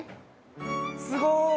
すごーい！